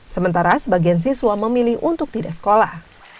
sementara sebagian siswa memilih untuk tidak sekolah